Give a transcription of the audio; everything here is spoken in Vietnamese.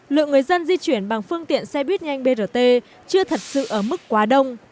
lượng người dân di chuyển bằng phương tiện xe buýt nhanh brt chưa thật sự ở mức quá đông